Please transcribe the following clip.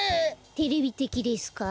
テレビてきですか？